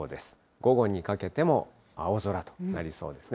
午後にかけても青空となりそうですね。